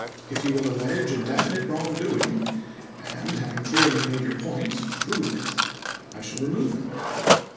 If you CHAP.vni. will allege a definite wrong doing, and, having clearly made your point, prove it, I shall remove him.